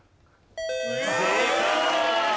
正解！